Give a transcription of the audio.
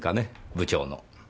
部長の。